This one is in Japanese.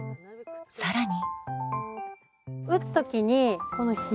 更に。